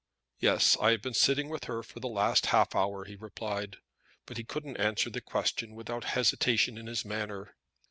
"Yes, I have been sitting with her for the last half hour," he replied; but he couldn't answer the question without hesitation in his manner.